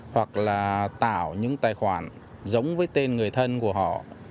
hoặc là tạo những tài khoản giống với tên người thân của họ